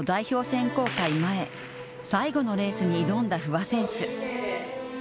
選考会前最後のレースに挑んだ不破選手。